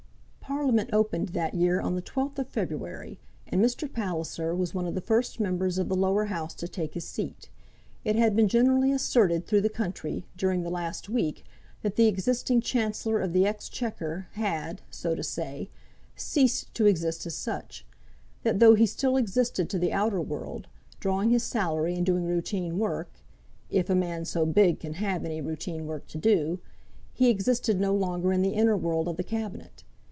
Parliament opened that year on the twelfth of February, and Mr. Palliser was one of the first Members of the Lower House to take his seat. It had been generally asserted through the country, during the last week, that the existing Chancellor of the Exchequer had, so to say, ceased to exist as such; that though he still existed to the outer world, drawing his salary, and doing routine work, if a man so big can have any routine work to do, he existed no longer in the inner world of the cabinet.